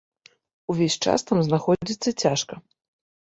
Увесь час там знаходзіцца цяжка.